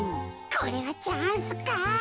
これはチャンスか？